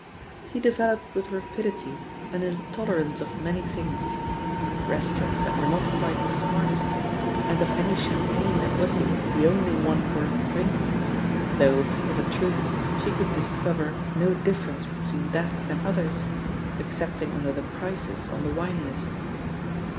She developed with rapidity an intolerance of many things — of restaurants that were not quite the smartest, and of any champagne that wasn't the only one worth drinking," though, of a truths she could discover no diflFerence between that and others, excepting under the prices on the wine list.